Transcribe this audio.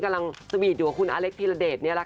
กำลังสวีตดูกับคุณอเล็กท์ธิระเดชเนี่ยละค่ะ